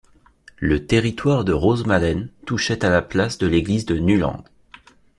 Le territoire de Rosmalen touchait à la place de l'église de Nuland.